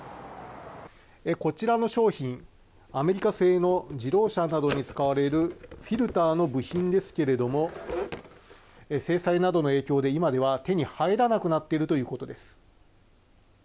こちらの商品アメリカ製の自動車などに使われるフィルターの部品ですけれども制裁などの影響で今では手に入らなくなっているということです。